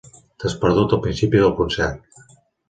T'has perdut el principi del concert.